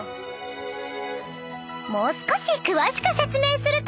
［もう少し詳しく説明すると］